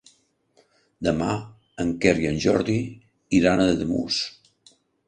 Demà en Quer i en Jordi iran a Ademús.